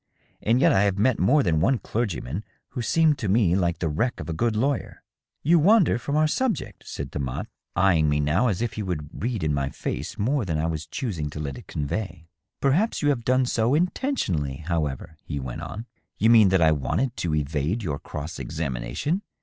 And yet I have met more than one clergy man who seemed to me like the wreck of a good lawyer." " You wander from our subject," said Demotte, eying me now as 660 DOUGLAS DUANE. if he would read in my face more than I was choosing to let it convey. " Perhaps you have done so intentionally, however," he went on, " You mean that I wanted to evade your cross examination